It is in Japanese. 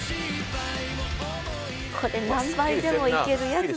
これ何杯でもいけるやつだわ。